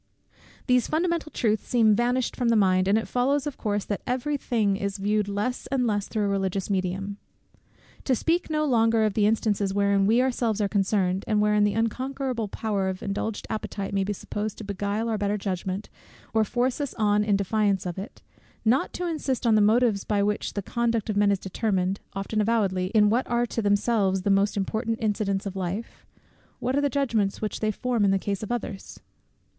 These fundamental truths seem vanished from the mind, and it follows of course, that every thing is viewed less and less through a religious medium. To speak no longer of instances wherein we ourselves are concerned, and wherein the unconquerable power of indulged appetite may be supposed to beguile our better judgment, or force us on in defiance of it; not to insist on the motives by which the conduct of men is determined, often avowedly, in what are to themselves the most important incidents of life; what are the judgments which they form in the case of others?